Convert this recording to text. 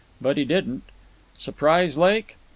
But he didn't. Surprise Lake?